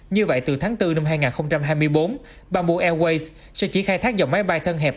như vậy từ tháng bốn năm hai nghìn hai mươi bốn bamboo airways sẽ chỉ khai thác dòng máy bay thân hẹp